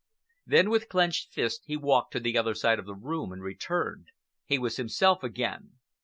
Then with clenched fists he walked to the other side of the room and returned. He was himself again.